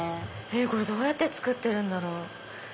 どうやって作ってるんだろう？